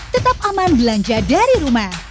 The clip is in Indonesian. tetap aman belanja dari rumah